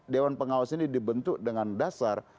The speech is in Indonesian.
dewan pengawas ini dibentuk dengan dasar